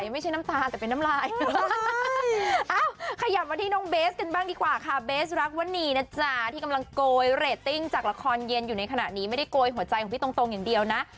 ไม่ได้โกยหัวใจของพี่ตรงอย่างเดียวนะ